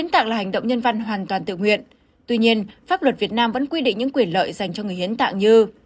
thủ tục việt nam vẫn quy định những quyền lợi dành cho người hiến tạng như